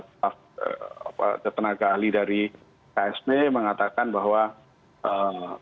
staf tenaga ahli dari ksb mengatakan bahwa ee